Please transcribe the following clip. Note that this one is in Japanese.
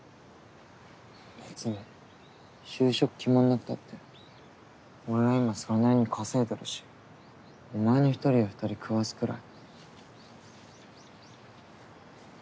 別に就職決まんなくたって俺は今それなりに稼いでるしお前の１人や２人食わすくらい。